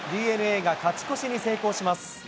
ＤｅＮＡが勝ち越しに成功します。